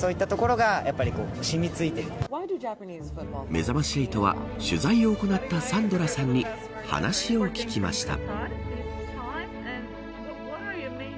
めざまし８は取材を行ったサンドラさんに話を聞きました。